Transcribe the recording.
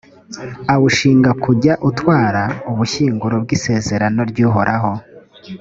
awushinga kujya utwara ubushyinguro bw’isezerano ry’uhoraho,